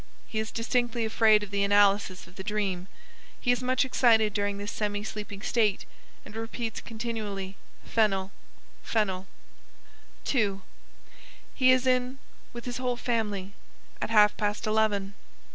He is distinctly afraid of the analysis of the dream. He is much excited during this semi sleeping state, and repeats continually, "Phenyl, phenyl."_ II. _He is in ... ing with his whole family; at half past eleven.